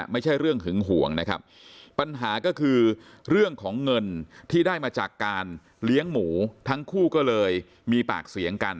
ไม่ใช่เรื่องหึงห่วงนะครับปัญหาก็คือเรื่องของเงินที่ได้มาจากการเลี้ยงหมูทั้งคู่ก็เลยมีปากเสียงกัน